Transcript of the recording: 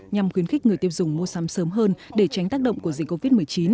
nhằm khuyến khích người tiêu dùng mua sắm sớm hơn để tránh tác động của dịch covid một mươi chín